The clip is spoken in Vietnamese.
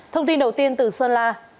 thông tin đầu tiên từ sơn la